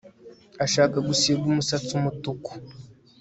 Ashaka gusiga umusatsi umutuku